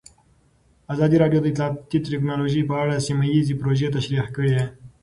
ازادي راډیو د اطلاعاتی تکنالوژي په اړه سیمه ییزې پروژې تشریح کړې.